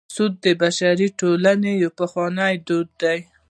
سود د بشري ټولنې یو پخوانی دود دی